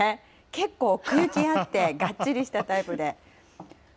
結構、奥行きあって、がっちりしたタイプで。